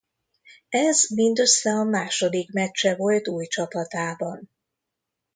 Ez mindössze a második meccse volt új csapatában.